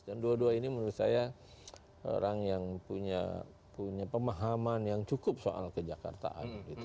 dan dua dua ini menurut saya orang yang punya pemahaman yang cukup soal kejakartaan